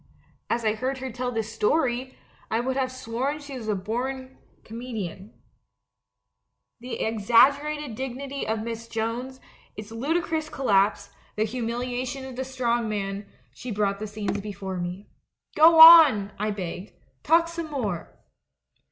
As I heard her tell this story, I would have sworn she was a born comedienne. The ex aggerated dignity of Miss Jones, its ludicrous collapse, the humiliation of the Strong Man, she brought the scenes before me. 'Go on,' I begged, *talk some more!'